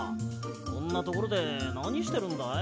こんなところでなにしてるんだい？